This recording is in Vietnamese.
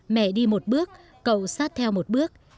mẹ đi một bước cậu sát theo một bước